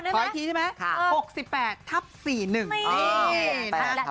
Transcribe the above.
ขอไปอีกร้อนหนึ่งได้ไหม